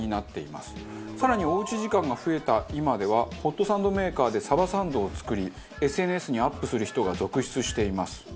更におうち時間が増えた今ではホットサンドメーカーでサバサンドを作りＳＮＳにアップする人が続出しています。